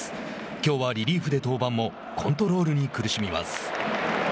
きょうはリリーフで登板もコントロールに苦しみます。